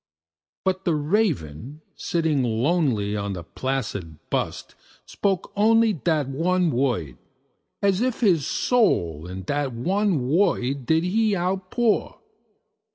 But the Raven, sitting lonely on that placid bust, spoke only That one word, as if his soul in that one word he did outpour.